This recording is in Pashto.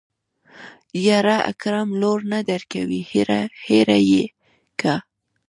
يره اکرم لور نه درکوي هېره يې که.